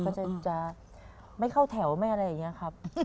ก็จะไม่เข้าแถวไม่อะไรอย่างนี้ครับ